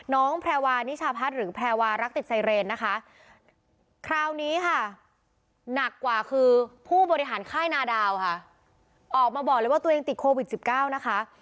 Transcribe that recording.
แพรวานิชาพัฒน์หรือแพรวารักติดไซเรนนะคะคราวนี้ค่ะหนักกว่าคือผู้บริหารค่ายนาดาวค่ะออกมาบอกเลยว่าตัวเองติดโควิด๑๙นะคะ